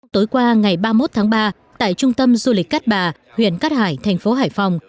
tối qua ngày ba mươi một tháng ba tại trung tâm du lịch cát bà huyện cát hải thành phố hải phòng